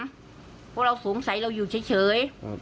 เพราะเราสงสัยเราอยู่เฉย